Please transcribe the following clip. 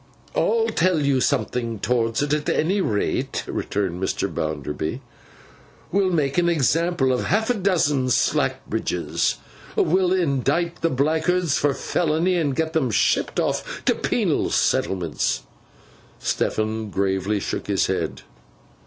'I'll tell you something towards it, at any rate,' returned Mr. Bounderby. 'We will make an example of half a dozen Slackbridges. We'll indict the blackguards for felony, and get 'em shipped off to penal settlements.' Stephen gravely shook his head.